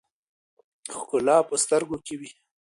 ښکلا په سترګو کښې وي